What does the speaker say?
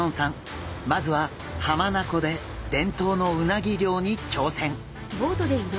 まずは浜名湖で伝統のうなぎ漁に挑戦！